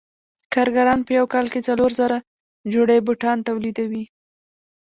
کارګران په یو کال کې څلور زره جوړې بوټان تولیدوي